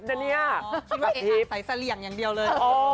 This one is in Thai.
คิดว่าเอ๊ยแต่ใส่เสลี่ยงอย่างเดียวเลย